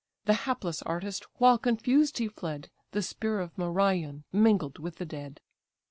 The hapless artist, while confused he fled, The spear of Merion mingled with the dead.